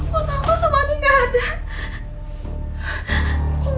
patuh aku sama andi gak ada